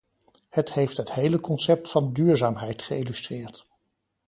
Het heeft het hele concept van duurzaamheid geïllustreerd.